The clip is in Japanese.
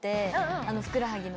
ふくらはぎの。